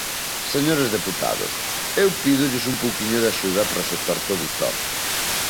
Señores deputados, eu pídolles un pouquiño de axuda para o sector produtor.